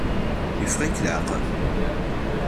Yeffeɣ-ik leɛqel?